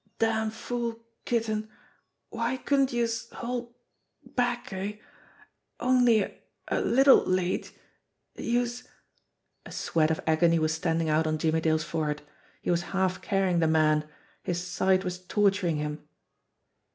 Damn fool, Kitten, why couldn't youse hold back eh ? only a a little late youse " A sweat of agony was standing out on Jimmie Dale's forehead. He was half carrying the man. His side was torturing him.